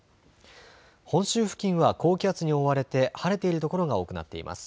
本州付近は高気圧に覆われて晴れている所が多くなっています。